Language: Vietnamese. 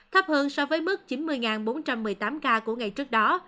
thấp hơn so với mức chín mươi bốn trăm một mươi tám ca của ngày trước đó